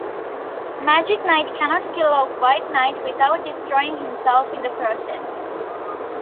Magic Knight cannot kill Off-White Knight without destroying himself in the process.